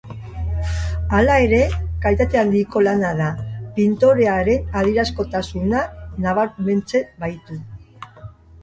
Hala ere, kalitate handiko lana da, pintorearen adierazkortasuna nabarmentzen baitu.